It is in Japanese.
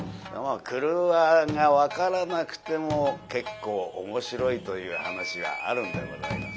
郭が分からなくても結構面白いという噺はあるんでございます。